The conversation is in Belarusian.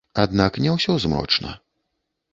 Аднак не ўсё змрочна.